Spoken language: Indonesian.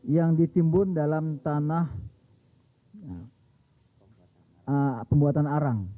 yang ditimbun dalam tanah pembuatan arang